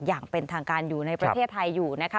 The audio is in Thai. อย่างเป็นทางการอยู่ในประเทศไทยอยู่นะคะ